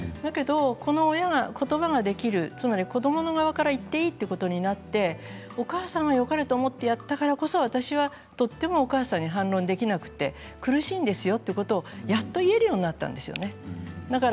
この言葉ができる子どもの側から言ってもいいということになってお母さんによかれと思っていたからこそ私はとてもお母さんに反論できなくて苦しいんですよということをやっと言えるようになったんですよね。